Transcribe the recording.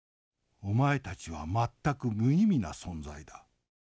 お前たちは全く無意味な存在だ。